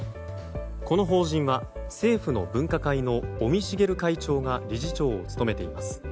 この法人は政府の分科会の尾身茂会長が理事長を務めています。